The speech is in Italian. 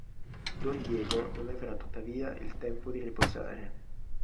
Don Diego non avrà tuttavia il tempo di riposare.